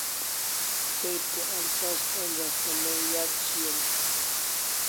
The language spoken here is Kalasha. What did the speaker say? Tay te ilfaz onja asta may yat shian